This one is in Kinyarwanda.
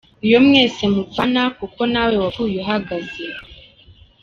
iyo mwese mupfana kuko nawe wapfuye uhagaze.